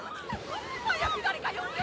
早く誰か呼んで！